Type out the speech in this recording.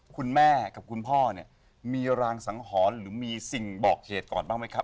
คุณแม่กับคุณพ่อเนี่ยมีรางสังหรณ์หรือมีสิ่งบอกเหตุก่อนบ้างไหมครับ